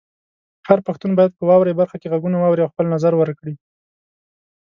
هر پښتون باید په "واورئ" برخه کې غږونه واوري او خپل نظر ورکړي.